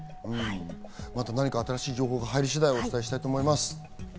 また何か新しい情報が入り次第、お伝えしたいと思います。